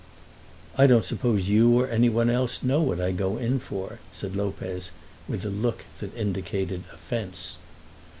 "I don't suppose you or any one else know what I go in for," said Lopez, with a look that indicated offence.